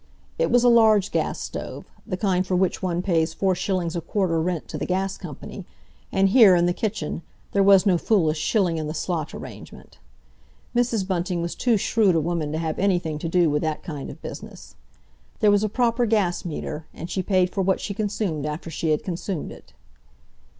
It was a large gas stove, the kind for which one pays four shillings a quarter rent to the gas company, and here, in the kitchen, there was no foolish shilling in the slot arrangement. Mrs. Bunting was too shrewd a woman to have anything to do with that kind of business. There was a proper gas meter, and she paid for what she consumed after she had consumed it.